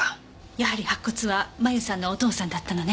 やはり白骨は麻由さんのお父さんだったのね。